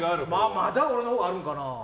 まだ俺のほうがあるのかな。